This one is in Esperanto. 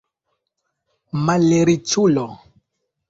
malriĉulo